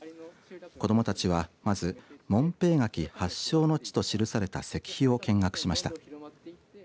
子どもたちはまず紋平柿発祥の地と記された石碑を見学しました。